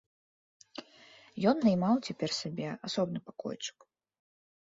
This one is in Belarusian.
Ён наймаў цяпер сабе асобны пакойчык.